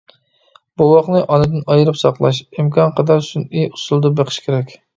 بوۋاقنى ئانىدىن ئايرىپ ساقلاش، ئىمكانقەدەر سۈنئىي ئۇسۇلدا بېقىش كېرەك.